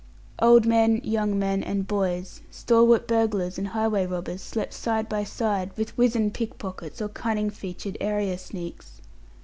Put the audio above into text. Old men, young men, and boys, stalwart burglars and highway robbers, slept side by side with wizened pickpockets or cunning featured area sneaks.